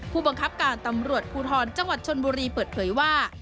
ผู้บังคับการตำรวจภูทรจังหวัดชนบุรีเปิดเผยว่า